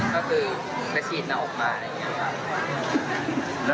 ก็คือไปฉีดหน้าอกมาอะไรอย่างนี้ครับ